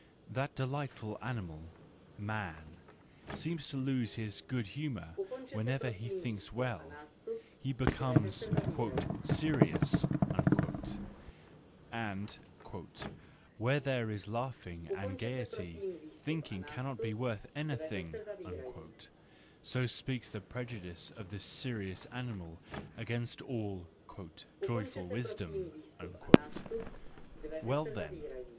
That delightful animal, man, seems to lose his good humour whenever he thinks well; he becomes " serious "! And " where there is laughing and SANCTUS JANUARIUS 253 gaiety, thinking cannot be worth anything : "—so speaks the prejudice of this serious animal against all "Joyful Wisdom."—Well, then!